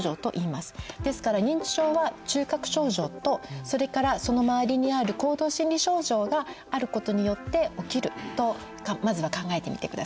ですから認知症は中核症状とそれからその周りにある行動心理症状があることによって起きるとまずは考えてみてください。